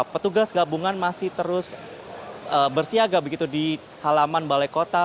petugas gabungan masih terus bersiaga begitu di halaman balai kota